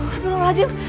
abang allah azim